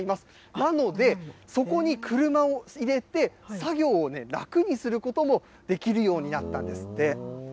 なので、そこに車を入れて、作業を楽にすることもできるようになったんですって。